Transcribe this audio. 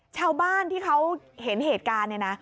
ชาวบ้านที่เขาเห็นเหตุการณ์เนี่ยนะ